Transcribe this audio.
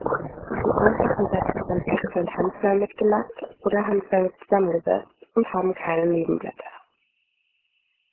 Die einfachen Blätter sind wechselnd handförmig gelappt oder handförmig zusammengesetzt und haben keine Nebenblätter.